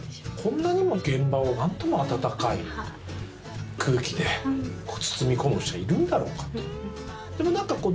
こんなにも現場を何とも温かい空気で包み込む人はいるんだろうかと。